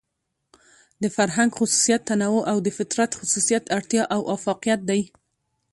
د فرهنګ خصوصيت تنوع او د فطرت خصوصيت اړتيا او اۤفاقيت دى.